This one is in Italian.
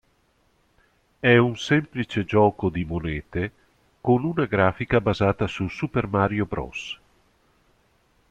È un semplice gioco di monete, con una grafica basata su "Super Mario Bros.